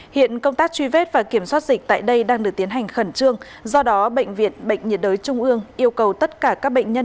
hiện công tác truy vết và kiểm soát dịch tại đây đang được tiến hành khẩn trương do đó bệnh viện bệnh nhiệt đới trung ương yêu cầu tất cả các bệnh nhân